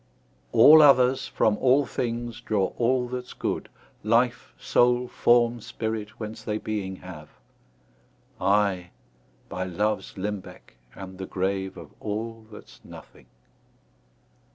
All others, from all things, draw all that's good, Life, soule, forme, spirit, whence they beeing have; I, by loves limbecke, am the grave Of all, that's nothing.